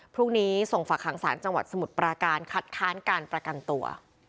พรุ่งนี้ส่งฝากหางศาลจังหวัดสมุทรปราการคัดค้านการประกันตัว